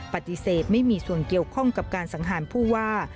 ปฏิเสธไม่มีส่วนเกี่ยวข้องกับการสังหารผู้ว่า